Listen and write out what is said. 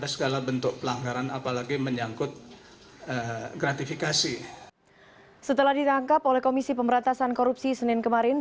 setelah ditangkap oleh komisi pemberantasan korupsi senin kemarin